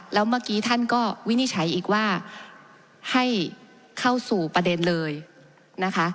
แล้วเมื่อกี้ท่านก็วินิจฉัยอีกว่าให้เข้าสู่ประเด็นเลยนะคะ